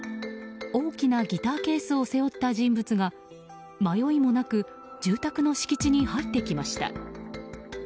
大きなギターケースを背負った人物が迷いもなく住宅の敷地に入ってきました。